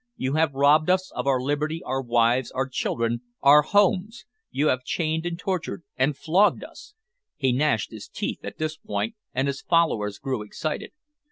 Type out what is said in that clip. You have robbed us of our liberty, our wives, our children, our homes; you have chained, and tortured, and flogged us!" he gnashed his teeth at this point, and his followers grew excited.